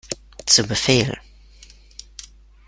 Zu Befehl!